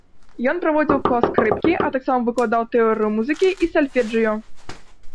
Ён праводзіў клас скрыпкі, а таксама выкладаў тэорыю музыкі і сальфэджыё.